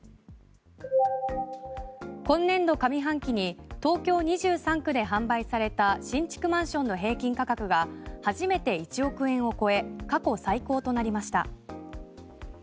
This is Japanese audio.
今年度上半期に東京２３区で販売された新築マンションの平均価格が初めて１億円を超え過去最高となりました。